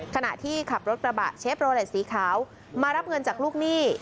ขณะที่ขับรถกระบะเชฟโรเลสสีขาวมารับเงินจากลูกหนี้